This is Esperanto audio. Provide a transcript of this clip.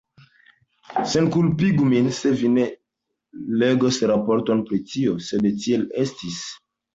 Senkulpigu min se vi ne legos raporton pri tio, sed tiel estis.